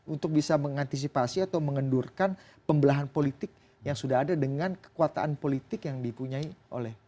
untuk bisa mengantisipasi atau mengendurkan pembelahan politik yang sudah ada dengan kekuatan politik yang dipunyai oleh